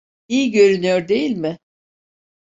İyi görünüyor, değil mi?